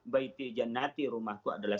baiti janati rumahku adalah